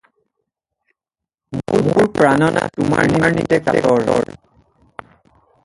মোৰ প্ৰাণনাথ তোমাৰ নিমিত্তে কাতৰ।